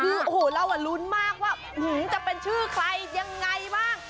คือโอ้โหเรารุ้นมากว่าจะเป็นชื่อใครยังไงบ้าง